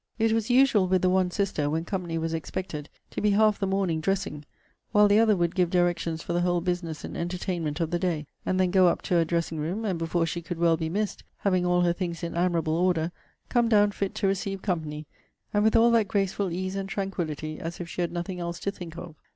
It was usual with the one sister, when company was expected, to be half the morning dressing; while the other would give directions for the whole business and entertainment of the day; and then go up to her dressing room, and, before she could well be missed, [having all her things in admirable order,] come down fit to receive company, and with all that graceful ease and tranquillity as if she had nothing else to think of.